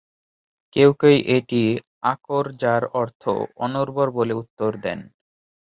কেউ কেউ এটিকে আকর-যার অর্থ অনুর্বর বলে উত্তর দেন।